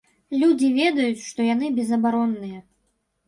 Людзі ведаюць, што яны безабаронныя.